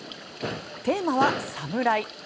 テーマは「サムライ」。